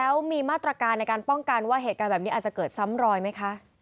แล้วมีมาตรการในการป้องกันว่าเหตุการณ์แบบนี้อาจจะเกิดซ้ำรอยไหมคะ